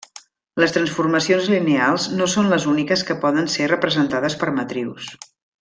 Les transformacions lineals no són les úniques que poden ser representades per matrius.